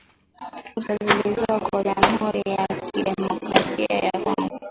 fursa zilizoko jamuhuri ya kidemokrasia ya Kongo